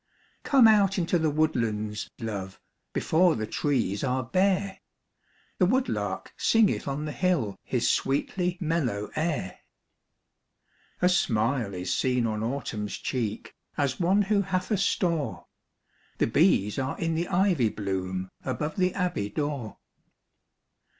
COME out into the woodlands, love, Before the trees are bare ; The woodlark singeth on the hill His sweetly mellow air. A smile is seen on Autumn's cheek, As one who hath a store ; The bees are in the ivy bloom, Above the abbey door.